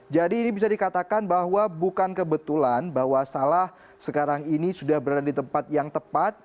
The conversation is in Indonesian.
jadi ini bisa dikatakan bahwa bukan kebetulan bahwa salah sekarang ini sudah berada di tempat yang tepat